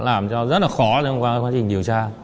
làm cho rất là khó trong quá trình điều tra